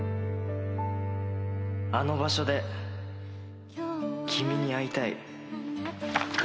『あの場所で君に会いたい』